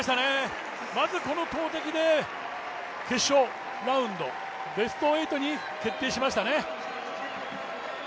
まずこの投てきで決勝ラウンド、ベスト８に決定しましたね。